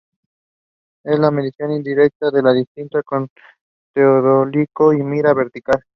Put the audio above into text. Es la medición indirecta de distancia con teodolito y mira vertical.